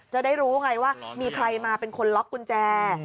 จะได้รู้ไงว่ามีใครมาเป็นคนล็อกกุญแจ